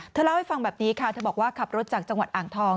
เล่าให้ฟังแบบนี้ค่ะเธอบอกว่าขับรถจากจังหวัดอ่างทอง